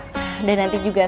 dan nanti juga saya akan mencari